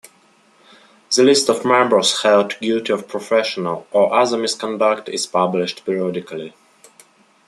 The list of members held guilty of professional or other misconduct is published periodically.